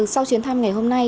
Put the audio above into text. sau chuyến thăm ngày hôm nay